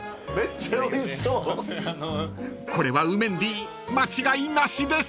［これはウメンディ間違いなしです］